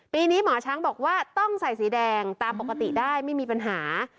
นี้หมอช้างบอกว่าต้องใส่สีแดงตามปกติได้ไม่มีปัญหา